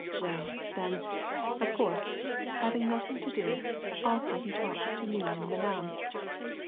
Well, then, of course, having nothing to do, often he talks to me and Madame.